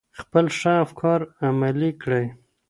خپل ښه افکار عملي کړئ.